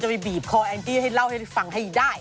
ไม่เอาให้ฟังให้ได้